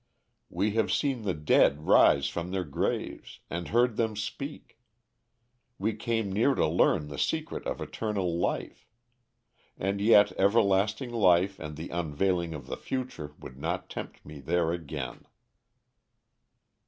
We have seen the dead rise from their graves and heard them speak. We came near to learn the secret of eternal life. And yet everlasting life and the unveiling of the future would not tempt me there again."